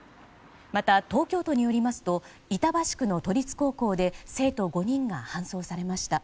また東京都によりますと板橋区の都立高校で生徒５人が搬送されました。